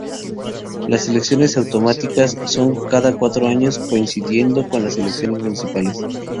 Las elecciones autonómicas son cada cuatro años coincidiendo con las elecciones municipales.